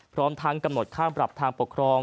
พร้อมทั้งกำหนดค่าปรับทางปกครอง